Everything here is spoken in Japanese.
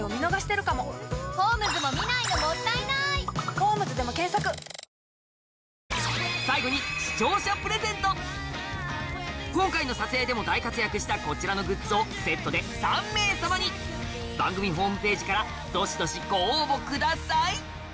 「お椀で食べるシリーズ」最後に今回の撮影でも大活躍したこちらのグッズをセットで３名様に番組ホームページからどしどしご応募ください